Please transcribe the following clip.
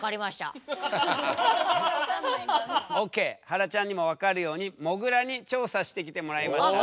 はらちゃんにも分かるようにもぐらに調査してきてもらいました。